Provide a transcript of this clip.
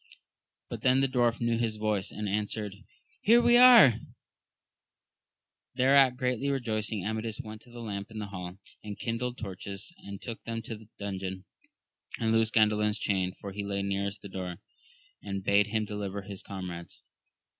but then the dwarf knew his voice, and answered, Here we are ! Thereat greatly rejoicing, Amadis went to the lamp in the hall, and kindled torches and took them to the dungeon, and loosed Gandalin's chain, for he lay nearest the door, and bade him deliver his comrades.